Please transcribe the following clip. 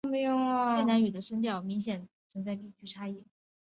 越南语的声调还存在明显的地区差异。